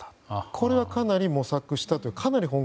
これはかなり模索したんだと。